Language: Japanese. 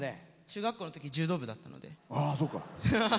中学校のとき柔道部だったんで。